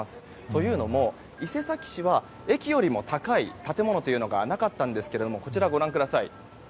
というのも、伊勢崎市は駅よりも高い建物というのがなかったんですけれどもこちらご覧ください。